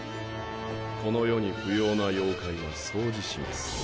この世に不要な妖怪は掃除します。